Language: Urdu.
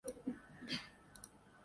بمبارا